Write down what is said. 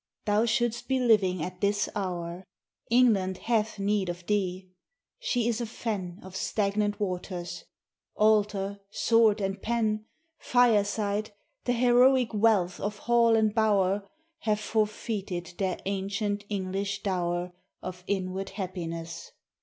thou should'st be living at this hour : England hath need of thee : she is a fen Of stagnant waters : altar, sword, and pen, Fireside, the heroic wealth of hall and bower, Have forfeited their ancient English dower Of inward happiness.